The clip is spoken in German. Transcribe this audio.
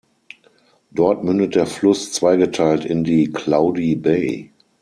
Dort mündet der Fluss zweigeteilt in die "Cloudy Bay".